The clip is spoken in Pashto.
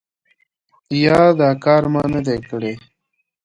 یا دا کار ما نه دی کړی ؟